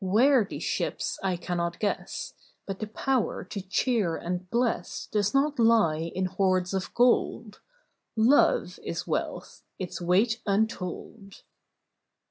Where these ships I cannot guess; But the power to cheer and bless, Does not lie in hoards of gold ; Love is wealth — its weight untold!